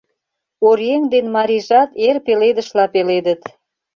Оръеҥ ден марийжат эр пеледышла пеледыт.